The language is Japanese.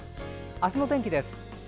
明日の天気です。